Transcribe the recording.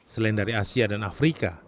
selain dari asia dan afrika